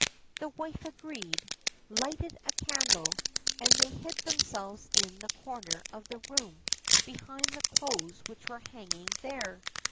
The wife agreed, lighted a candle, and they hid themselves in the corner of the room behind the clothes which were hanging there.